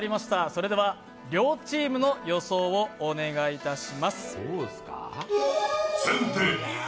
それでは両チームの予想をお願いいたします。